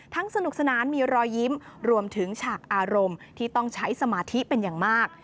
สนุกสนานมีรอยยิ้มรวมถึงฉากอารมณ์ที่ต้องใช้สมาธิเป็นอย่างมาก